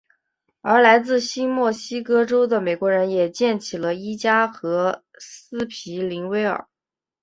而来自新墨西哥州的美国人也建起了伊加和斯皮灵威尔。